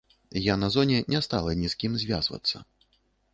Я на зоне не стала ні з кім звязвацца.